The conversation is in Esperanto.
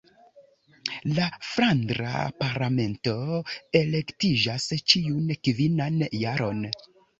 La Flandra Parlamento elektiĝas ĉiun kvinan jaron.